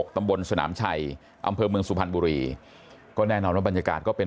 ตำบลสนามชัยอำเภอเมืองสุพรรณบุรีก็แน่นอนว่าบรรยากาศก็เป็น